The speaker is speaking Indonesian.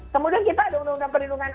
kemudian kita ada undang undang perlindungan